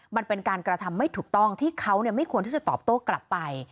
มันเป็นการกระทำไม่ถูกต้องที่เขาไม่ควรที่จะตอบโต้กลับไป